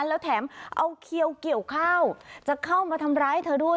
แล้วแถมเอาเขียวเกี่ยวข้าวจะเข้ามาทำร้ายเธอด้วย